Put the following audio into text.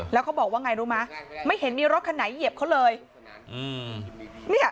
แล้วเขาบอกว่าไงรู้ไหมไม่เห็นมีรถคันไหนเหยียบเขาเลย